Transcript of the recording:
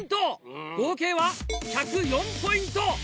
合計は１０４ポイント！